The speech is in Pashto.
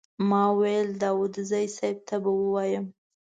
ما ویل داوودزي صیب ته به ووایم.